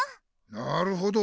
なるほど。